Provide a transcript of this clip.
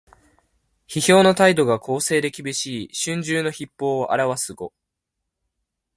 批評の態度が公正できびしい「春秋筆法」を表す語。